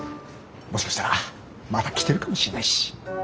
もしかしたらまた来てるかもしれないし。